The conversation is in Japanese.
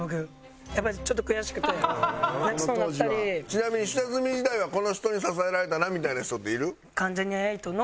ちなみに下積み時代はこの人に支えられたなみたいな人っている？